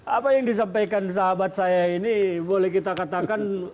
apa yang disampaikan sahabat saya ini boleh kita katakan